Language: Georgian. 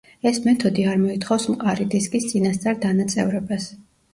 ეს მეთოდი არ მოითხოვს მყარი დისკის წინასწარ დანაწევრებას.